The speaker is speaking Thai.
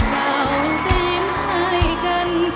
เราจะยิ้มให้กัน